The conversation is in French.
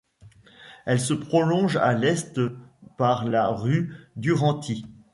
Elle se prolonge à l'est par la rue Duranti.